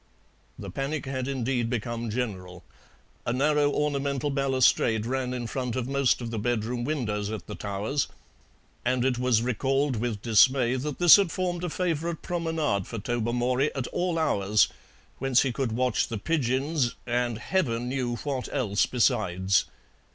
The panic had indeed become general. A narrow ornamental balustrade ran in front of most of the bedroom windows at the Towers, and it was recalled with dismay that this had formed a favourite promenade for Tobermory at all hours, whence he could watch the pigeons and heaven knew what else besides.